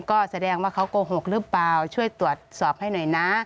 ก็แสดงว่าเขาโกหกหรือเปล่าช่วยตรวจสอบให้หน่อยนะ